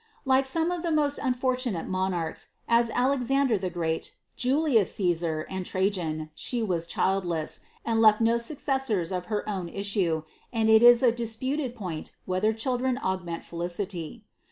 ^ Like some of the most fortunate monarchs, as Alexander the Great, Jnhus Caesar, and Trajan, she was childless, and left no successors of her own issue, and it is a disputed point whether children augment felicity.